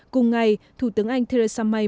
cùng ngày thủ tướng anh theresa may